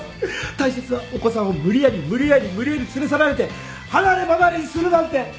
大切なお子さんを無理やり無理やり無理やり連れ去られて離れ離れにするなんて！